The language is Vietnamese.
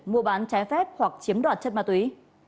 mua bán trái phép hoặc chiếm đoạt chất ma túy